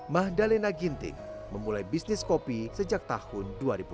mahdalena ginting memulai bisnis kopi sejak tahun dua ribu dua belas